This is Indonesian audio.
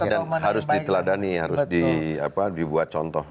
dan harus diteladani harus dibuat contoh